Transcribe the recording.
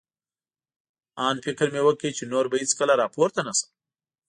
آن فکر مې وکړ، چې نور به هېڅکله را پورته نه شم.